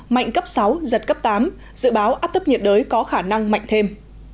mạnh cấp sáu giật cấp tám dự báo áp thấp nhiệt đới có khả năng mạnh thêm